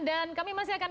dan kami masih akan kembali